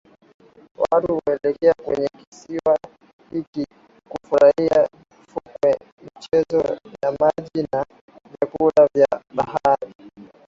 Watu huelekea kwenye kisiwa hiki kufurahia fukwe michezo ya maji na vyakula vya bahari